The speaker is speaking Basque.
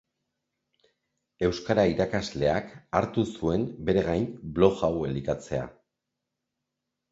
Euskara irakasleak hartu zuen bere gain blog hau elikatzea.